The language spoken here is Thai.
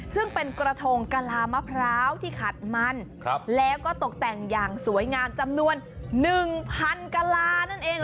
ซึ่งเป็นกระทงกะลามะพร้าวที่ขัดมันแล้วก็ตกแต่งอย่างสวยงามจำนวน๑๐๐๐กลานั่นเอง